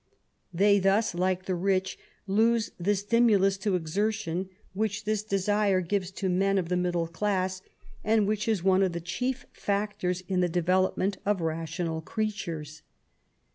They thus^ like the rich, lose the stimulus to exertion which this desire gives to men of the middle class^ and which is one of the chief factors in the development of rational creatures.